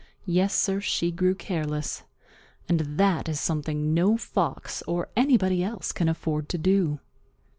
Yes, Sir, she grew careless. And that is something no Fox or anybody else can afford to do.